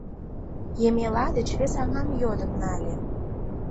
Емела деч вес аҥам йодын нале.